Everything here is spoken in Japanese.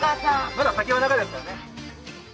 まだ先は長いですからね。